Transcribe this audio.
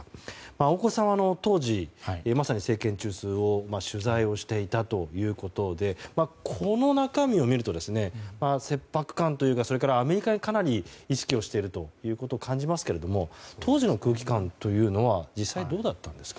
大越さんは、当時まさに政権中枢を取材していたということでこの中身を見ると切迫感というかそれからアメリカにかなり意識をしているということを感じますけれども当時の空気感というのは実際、どうだったんですか。